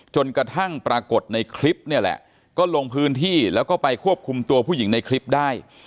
จนกระทั่งปรากฏในคลิปเนี่ยแหละก็ลงพื้นที่แล้วก็ไปควบคุมตัวผู้หญิงในคลิปได้